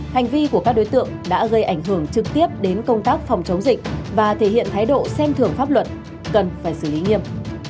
hành vi của các đối tượng đã gây ảnh hưởng trực tiếp đến công tác phòng chống dịch và thể hiện thái độ xem thường pháp luật cần phải xử lý nghiêm